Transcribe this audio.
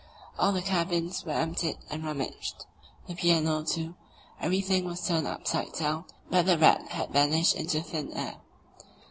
All the cabins were emptied and rummaged, the piano, too; everything was turned upside down, but the rat had vanished into thin air.